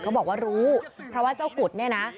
บอกว่ารู้เพราะว่าเจ้ากุฎเนี่ยนะ